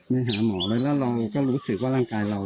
ไปหาหมอแล้วเราก็รู้สึกว่าร่างกายเรา